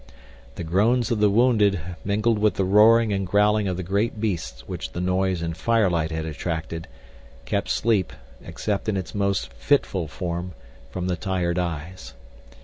The groans of the wounded, mingled with the roaring and growling of the great beasts which the noise and firelight had attracted, kept sleep, except in its most fitful form, from the tired eyes.